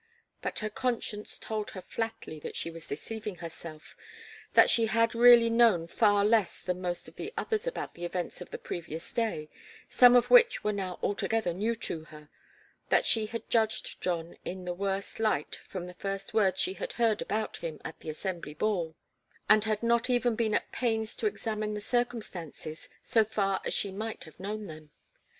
But her conscience told her flatly that she was deceiving herself, that she had really known far less than most of the others about the events of the previous day, some of which were now altogether new to her, that she had judged John in the worst light from the first words she had heard about him at the Assembly ball, and had not even been at pains to examine the circumstances so far as she might have known them.